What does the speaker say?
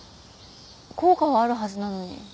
効果はあるはずなのに。